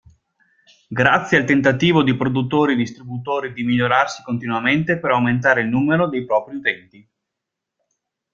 Grazie al tentativo di produttori e distributori di migliorarsi continuamente per aumentare il numero dei propri utenti.